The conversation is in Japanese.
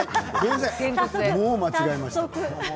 もう間違えました。